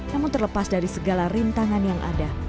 namun terlepas dari segala rintangan yang ada